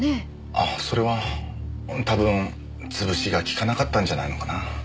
ああそれは多分つぶしがきかなかったんじゃないのかな。